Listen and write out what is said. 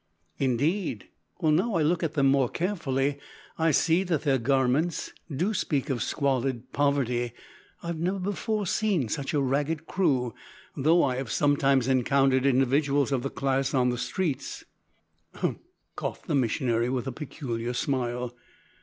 "Indeed! Well, now I look at them more carefully, I see that their garments do speak of squalid poverty. I have never before seen such a ragged crew, though I have sometimes encountered individuals of the class on the streets." "Hm!" coughed the missionary with a peculiar smile.